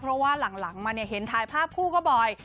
เพราะว่าหลังมาเนี่ยเห็นถ่ายภาพคู่ก็บ่อย